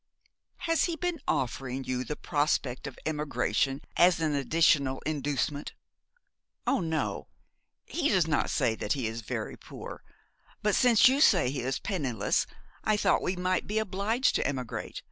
'Has he been offering you the prospect of emigration as an additional inducement?' 'Oh, no, he does not say that he is very poor, but since you say he is penniless I thought we might be obliged to emigrate.